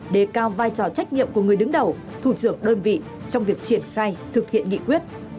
đề cao vai trò trách nhiệm của người đứng đầu thủ trưởng đơn vị trong việc triển khai thực hiện nghị quyết